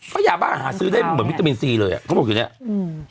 เพราะยาบ้าหาซื้อได้เหมือนวิตามินซีเลยอ่ะเขาบอกอยู่เนี้ยอืม